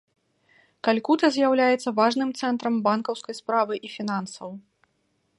Калькута з'яўляецца важным цэнтрам банкаўскай справы і фінансаў.